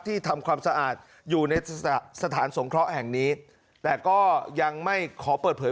ทำความสะอาดอยู่ในสถานสงเคราะห์แห่งนี้แต่ก็ยังไม่ขอเปิดเผย